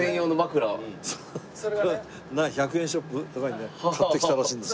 １００円ショップとかでね買ってきたらしいんですよ。